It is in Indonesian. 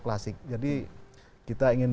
klasik jadi kita ingin